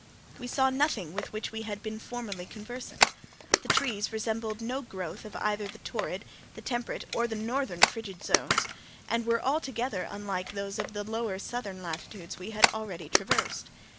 We saw nothing with which we had been formerly conversant. The trees resembled no growth of either the torrid, the temperate, or the northern frigid zones, and were altogether unlike those of the lower southern latitudes we had already traversed.